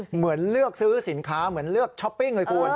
เหมือนเลือกซื้อสินค้าเหมือนเลือกช้อปปิ้งเลยคุณ